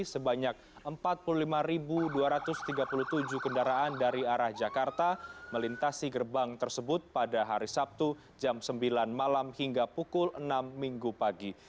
sebanyak empat puluh lima dua ratus tiga puluh tujuh kendaraan dari arah jakarta melintasi gerbang tersebut pada hari sabtu jam sembilan malam hingga pukul enam minggu pagi